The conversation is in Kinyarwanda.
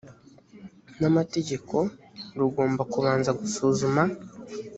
n amategeko rugomba kubanza gusuzuma